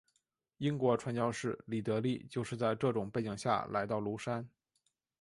英国传教士李德立就是在这种背景下来到庐山。